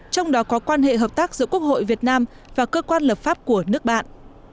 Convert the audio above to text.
trong đó có quan hệ hợp tác giữa quốc hội việt nam và cơ quan lập pháp của nước bạn